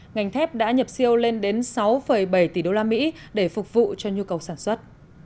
ngành thép đã nhập siêu lên đến sáu bảy tỷ đô la mỹ để phục vụ cho nhu cầu sản xuất